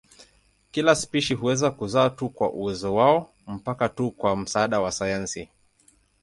Kila spishi huweza kuzaa tu kwa uwezo wao mpaka tu kwa msaada wa sayansi.